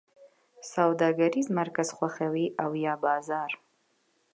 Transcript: سوداګریز مرکز خوښوی او یا بازار؟